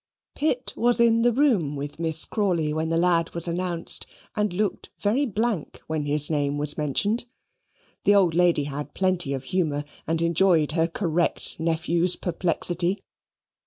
Pitt was in the room with Miss Crawley when the lad was announced, and looked very blank when his name was mentioned. The old lady had plenty of humour, and enjoyed her correct nephew's perplexity.